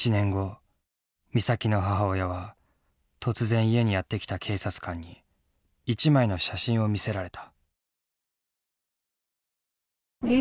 美咲の母親は突然家にやって来た警察官に一枚の写真を見せられた。